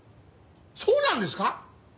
そうなんですか？